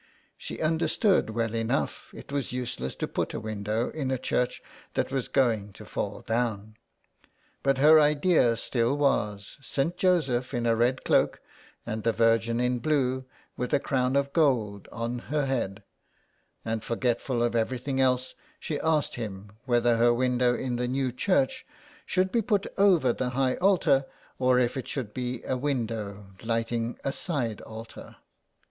She understood well enough it was useless to put a window up in a church that was going to fall down. But her idea still was St. Joseph in a red cloak and the Virgin in blue with a crown of gold on her head, and forgetful of every thing else, she asked him whether her window in the new church should be put over the high altar, or if it should be a window lighting a side altar.